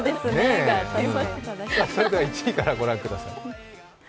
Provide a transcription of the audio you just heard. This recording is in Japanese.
それでは１位からご覧ください。